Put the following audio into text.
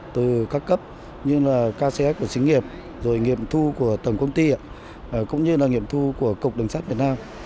từ các cấp như là kcs của sinh nghiệp rồi nghiệm thu của tầng công ty cũng như là nghiệm thu của cục đường sát việt nam